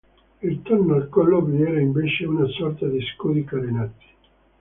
Intorno al collo vi era invece una sorta di scudi carenati.